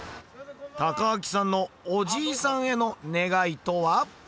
たかあきさんのおじいさんへの願いとは？